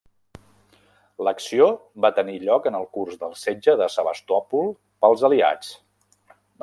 L'acció va tenir lloc en el curs del Setge de Sebastòpol pels aliats.